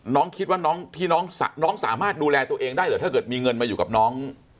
น้องคิดว่าน้องที่น้องสามารถดูแลตัวเองได้เหรอถ้าเกิดมีเงินมาอยู่กับน้อง